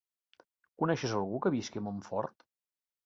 Coneixes algú que visqui a Montfort?